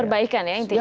perbaikan ya intinya